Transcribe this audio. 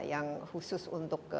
yang khusus untuk